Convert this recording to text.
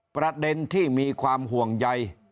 ประเด็นที่มีความห่วงใย